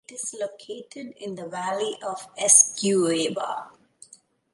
It is located in the valley of Esgueva.